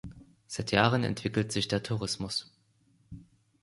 Seit Jahren entwickelt sich der Tourismus.